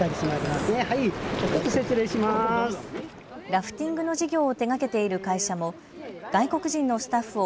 ラフティングの事業を手がけている会社も外国人のスタッフを